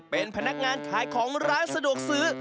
เป็นพนักงานขายของร้านสะดวกซื้อ